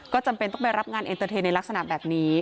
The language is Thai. ก็จำเป็นต้องไปรับงานเอ็นเตอร์เทนในลักษณะแบบนี้